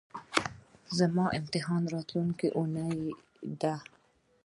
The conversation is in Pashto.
زما امتحان راتلونکۍ اونۍ ده